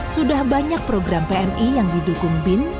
sudah banyak program pmi yang didukung bin